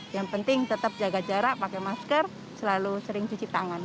yang penting tetap jaga jarak pakai masker selalu sering cuci tangan